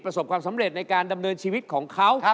ความสำเร็จในการดำเนินชีวิตของเขา